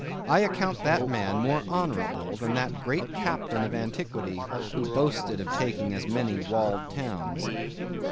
I account that man more honorable than that great captain of antiquity who boasted of taking as many walled towns.